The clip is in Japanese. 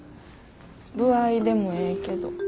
歩合でもええけど。